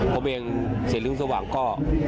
ผมเองเสรีรุ่งสว่างก็